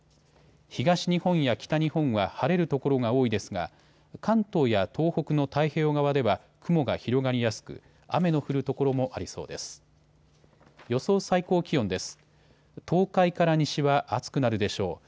東日本や北日本は晴れる所が多いですが関東や東北の太平洋側では雲が広がりやすく、雨の降る所もありそうです。